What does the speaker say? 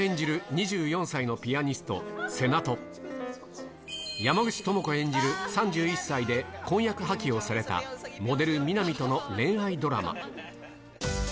２４歳のピアニスト、瀬名と、山口智子演じる、３１歳で婚約破棄をされたモデル、南との恋愛ドラマ。